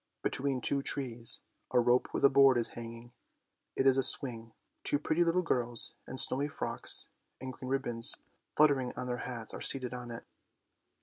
" Between two trees a rope with a board is hanging; it is a swing. Two pretty little girls in snowy frocks and green ribbons fluttering on their hats are seated on it.